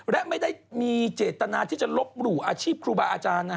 และไม่ได้มีเจตนาที่จะลบหลู่อาชีพครูบาอาจารย์